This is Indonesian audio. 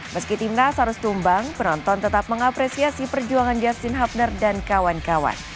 meski timnas harus tumbang penonton tetap mengapresiasi perjuangan justin hubner dan kawan kawan